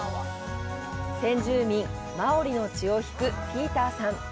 先住民マオリの血を引くピーターさん。